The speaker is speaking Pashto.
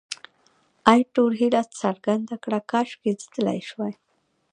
ایټور هیله څرګنده کړه، کاشکې زه تلای شوای.